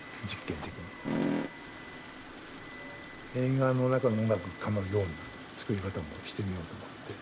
映画の中の音楽かのような作り方もしてみようと思って。